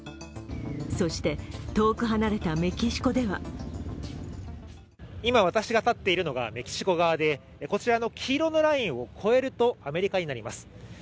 そして、遠く離れたメキシコでは今、私が立っているのがメキシコ側でこちらの黄色のラインを越えるとアメリカになります。